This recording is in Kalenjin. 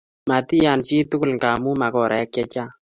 Matiyan chituku ngamnu makorae che chang